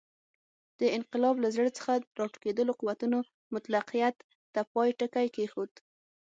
د انقلاب له زړه څخه راټوکېدلو قوتونو مطلقیت ته پای ټکی کېښود.